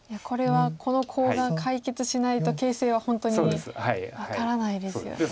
これはこのコウが解決しないと形勢は本当に分からないですよね。